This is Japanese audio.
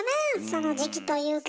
その時期というかね。